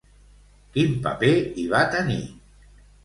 Quin paper hi va tenir?